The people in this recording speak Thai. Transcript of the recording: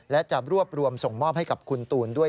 และจะรวบรวมส่งมอบให้กับคุณตูนด้วย